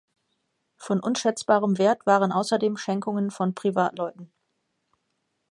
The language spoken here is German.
Von unschätzbarem Wert waren außerdem Schenkungen von Privatleuten.